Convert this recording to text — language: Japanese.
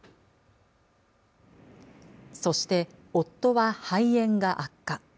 そして夫は肺炎が悪化。